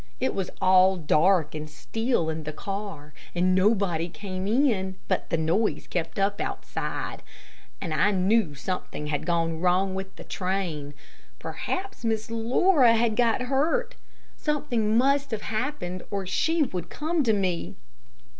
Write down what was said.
It was all dark and still in the car, and nobody came in, but the noise kept up outside, and I knew something had gone wrong with the train. Perhaps Miss Laura had got hurt. Something must have happened to her or she would come to me.